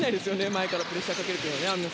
前からプレッシャーをかけるのは。